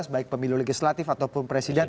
baik pemilu legislatif ataupun presiden